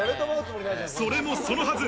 それもそのはず。